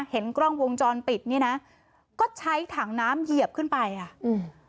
เห็นกล้องวงจรปิดนี่นะก็ใช้ถังน้ำเหยียบขึ้นไปอ่ะอืม